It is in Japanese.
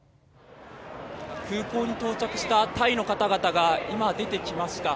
空港に到着したタイの方々が今出てきました。